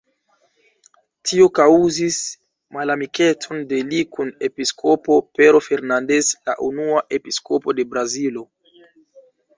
Tio kaŭzis malamikecon de li kun episkopo Pero Fernandes, la unua episkopo de Brazilo.